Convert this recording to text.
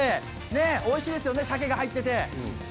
おいしいですよね、シャケが入ってて。